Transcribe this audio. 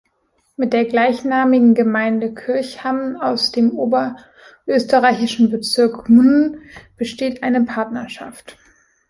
Mit der gleichnamigen Gemeinde Kirchham aus dem oberösterreichischen Bezirk Gmunden besteht eine Partnerschaft.